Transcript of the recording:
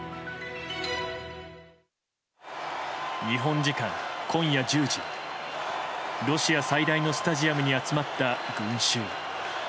日本時間今夜１０時ロシア最大のスタジアムに集まった群衆。